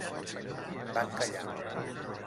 Van callar.